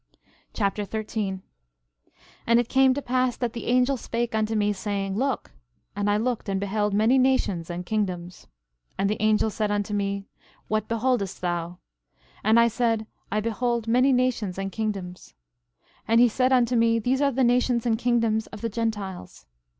1 Nephi Chapter 13 13:1 And it came to pass that the angel spake unto me, saying: Look! And I looked and beheld many nations and kingdoms. 13:2 And the angel said unto me: What beholdest thou? And I said: I behold many nations and kingdoms. 13:3 And he said unto me: These are the nations and kingdoms of the Gentiles.